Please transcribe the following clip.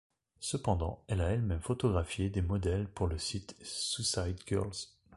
Cependant, elle a elle-même photographié des modèles pour le site SuicideGirls.